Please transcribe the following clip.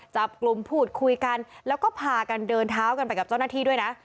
จับกลุ่มพูดคุยกันแล้วก็พากันเดินเท้ากันไปกับเจ้าหน้าที่ด้วยนะ